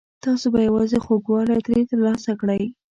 تاسو به یوازې خوږوالی ترې ترلاسه کړئ.